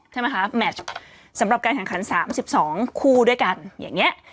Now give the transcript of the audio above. ใช่ไหมคะสำหรับการขังขันสามสิบสองคู่ด้วยกันอย่างเงี้ย